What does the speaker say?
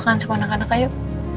bukaan sama anak anak yuk